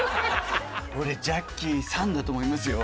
俺ジャッキー「サン」だと思いますよ。